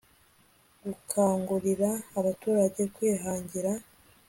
gukangurira abaturage kwihangira